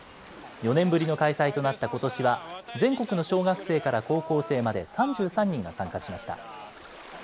４年ぶりの開催となったことしは、全国の小学生から高校生まで３３人が参加しました。